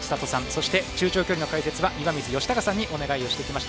そして中長距離の解説は岩水嘉孝さんにお願いしました。